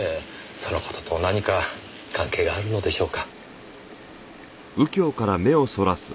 その事と何か関係があるのでしょうか？